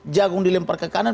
jagung dilempar ke kanan